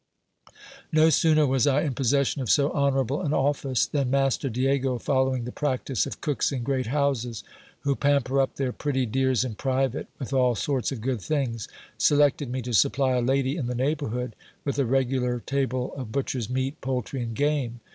No sooner was I in possession of so honourable an office, than master Diego, following the practice of cooks in great houses, who pamper up their pretty dears in private with all sorts of good things, selected me to supply a lady in the neighbourhood with a regular table of butcher's meat, poultry, and game.